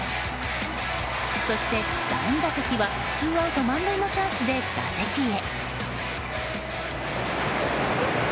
そして第２打席は２アウト満塁のチャンスで打席へ。